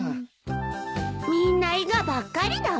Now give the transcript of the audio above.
みんなイガばっかりだわ。